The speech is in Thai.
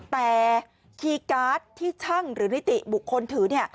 แต่คีย์การ์ดที่ช่างหรือนิติบุคคลถือ